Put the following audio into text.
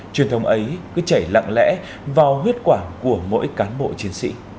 truyền thông ấy cứ chảy lặng lẽ vào huyết quản của mỗi cán bộ chiến sĩ